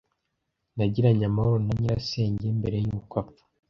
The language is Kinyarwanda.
Nagiranye amahoro na nyirasenge mbere yuko apfa.